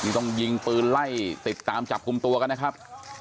นี่ต้องยิงปืนไล่ติดตามจับกลุ่มตัวกันนะครับ